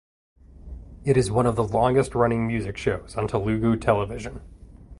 It is one of the longest running music shows on Telugu Television.